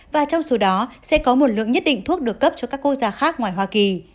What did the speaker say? và trong số đó sẽ có một lượng nhất định thuốc được cấp cho các quốc gia khác ngoài hoa kỳ